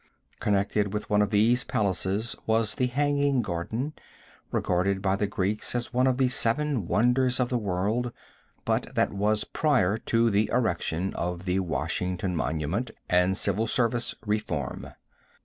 Connected with one of these palaces was the hanging garden, regarded by the Greeks as one of the seven wonders of the world, but that was prior to the erection of the Washington monument and civil service reform.